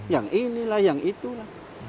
yang ini lah yang itu lah